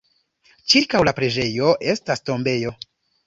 Ĉirkaŭ la preĝejo estas tombejo.